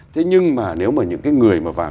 thế nhưng mà những cái người mà vào